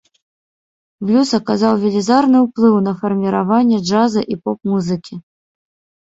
Блюз аказаў велізарны ўплыў на фарміраванне джаза і поп-музыкі.